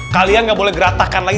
kalian nggak boleh geratakan lagi